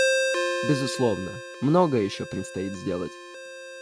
Безусловно, многое еще предстоит сделать.